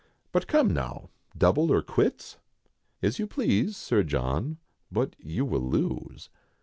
But come now, double or quits?" "As you please, Sir John, but you will lose."